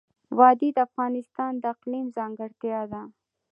وادي د افغانستان د اقلیم ځانګړتیا ده.